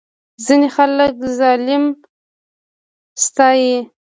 ځینې خلک ظالم ستایي.